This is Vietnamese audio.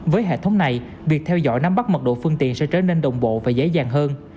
trong lúc này việc theo dõi nắm bắt mật độ phương tiện sẽ trở nên đồng bộ và dễ dàng hơn